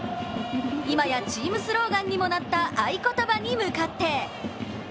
今やチームスローガンにもなった合言葉に向かって。